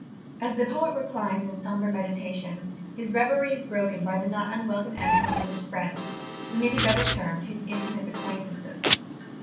As the poet reclines in sombre meditation, his reverie is broken by the not unwelcome entrance of his friends who may be better termed his intimate acquaintances.